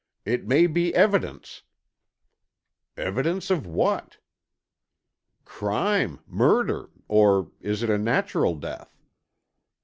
"It may be evidence——" "Evidence of what?" "Crime—murder—or is it a natural death?"